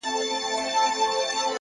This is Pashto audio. ستا خو صرف خندا غواړم چي تا غواړم-